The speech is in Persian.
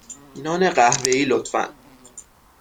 نان قهوه ای، لطفا.